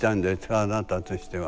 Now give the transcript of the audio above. あなたとしては。